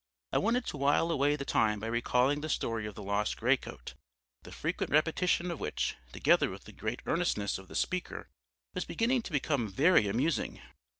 I wanted to while away the time by recalling the story of the lost greatcoat, the frequent repetition of which, together with the great earnestness of the speaker, was beginning to become very amusing.